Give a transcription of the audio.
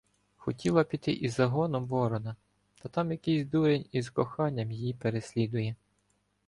Хотіла піти із загоном Ворона, так там якийсь дурень із коханням її переслідує.